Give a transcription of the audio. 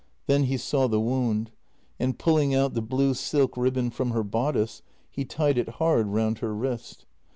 Then he saw the wound, and, pulling out the blue silk ribbon from her bodice, he tied it hard round her wrist.